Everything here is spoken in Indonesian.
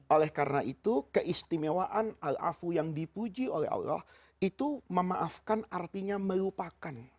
oleh karena itu keistimewaan al afu yang dipuji oleh allah itu memaafkan artinya melupakan